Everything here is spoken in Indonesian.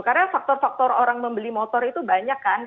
karena faktor faktor orang membeli motor itu banyak kan